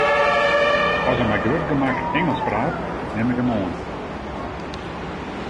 As er mei grut gemak Ingelsk praat, nim ik him oan.